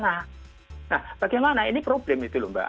nah bagaimana ini problem itu lomba